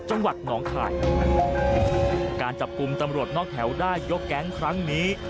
จังหวัดหนองคายการจับกลุ่มตำรวจนอกแถวได้ยกแก๊งครั้งนี้